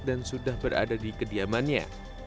dan sudah berada di kediamannya